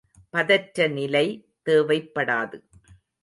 பதற்ற நிலை தேவைப்படாது.